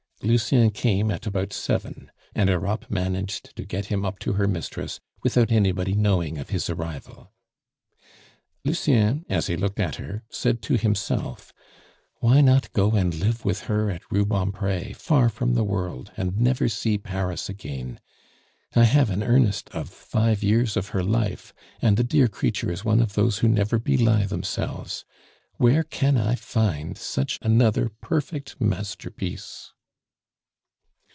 Lucien came at about seven, and Europe managed to get him up to her mistress without anybody knowing of his arrival. Lucien, as he looked at her, said to himself, "Why not go and live with her at Rubempre, far from the world, and never see Paris again? I have an earnest of five years of her life, and the dear creature is one of those who never belie themselves! Where can I find such another perfect masterpiece?"